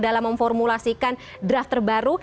dalam memformulasikan draft terbaru